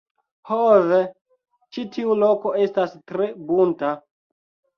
Ho ve! ĉi tiu loko estas tre bunta!